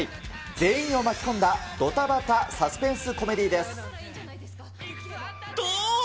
全員を巻き込んだどたばたサスペンスコメディーです。